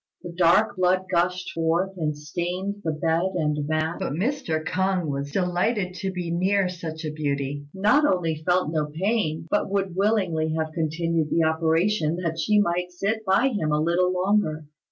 The dark blood gushed forth, and stained the bed and the mat; but Mr. K'ung was delighted to be near such a beauty, not only felt no pain, but would willingly have continued the operation that she might sit by him a little longer.